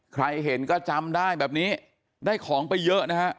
ใครเห็นก็จำได้แบบนี้ได้ของไปเยอะนะฮะ